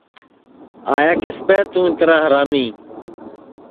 آئیا کِسپ توں اِترا ہرامی